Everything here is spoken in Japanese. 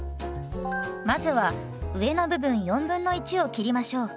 まずは上の部分1/4を切りましょう。